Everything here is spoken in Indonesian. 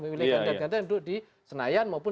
pilih yang tergantung di senayan maupun